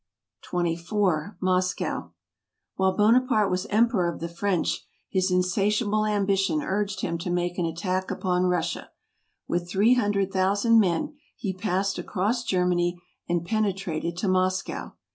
24 . Moscow . While Buonaparte was emperor of the French, his insatiable ambition urged him to make an at¬ tack upon Russia. With three hundred thou¬ sand men he passed across Germany, and pene¬ trated to Moscow.